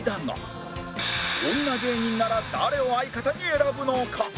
女芸人なら誰を相方に選ぶのか！？